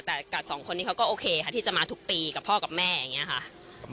แต่กับสองคนนี้เขาก็โอเคค่ะที่จะมาทุกปีกับพ่อกับแม่อย่างนี้ค่ะ